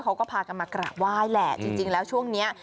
เขาก็พากันมากราบไหว้แหละจริงแล้วช่วงเนี้ย